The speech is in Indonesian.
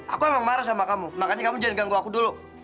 aku emang marah sama kamu makanya kamu jangan ganggu aku dulu